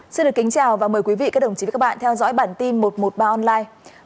xin được kính chào và mời quý vị các đồng chí và các bạn theo dõi bản tin một trăm một mươi ba online